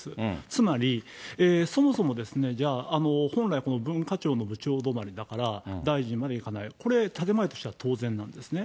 つまり、そもそも、じゃあ、本来、この文化庁の部長止まりだから、大臣までいかない、これ、建て前としては当然なんですね。